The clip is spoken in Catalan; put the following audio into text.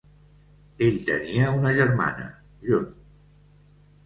Ell tenia una germana, June.